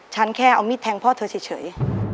ฉันแค่เอามีดแทงพ่อเธอเฉย